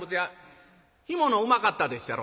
干物うまかったでっしゃろ？